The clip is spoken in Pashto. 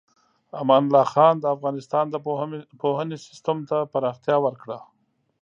امان الله خان د افغانستان د پوهنې سیستم ته پراختیا ورکړه.